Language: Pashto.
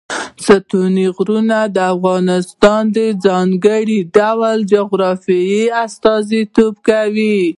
ستوني غرونه د افغانستان د ځانګړي ډول جغرافیه استازیتوب کوي.